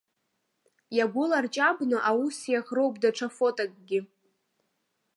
Иагәыларҷабны аус иаӷроуп даҽа фотокгьы.